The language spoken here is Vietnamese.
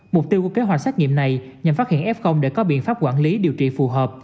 mục tiêu của kế hoạch xét nghiệm này nhằm phát hiện f để có biện pháp quản lý điều trị phù hợp